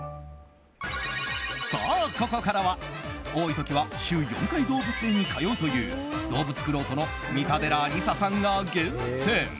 さあここからは、多い時は週４回、動物園に通うという動物くろうとの三田寺理紗さんが厳選。